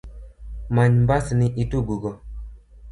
Many mbasni itug go.